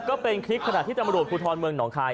ก็เป็นคลิปขณะที่ตำรวจภูทรเมืองหนองคาย